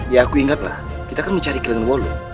ya aku ingatlah kita kan mencari kilang walu